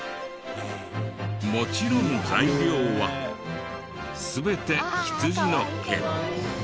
もちろん材料は全て羊の毛。